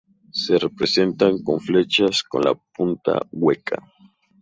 Se representan con flechas con la punta hueca.